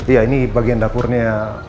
iya ini bagian dapurnya